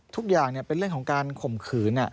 ทุกอย่างเป็นเรื่องของการข่มขืน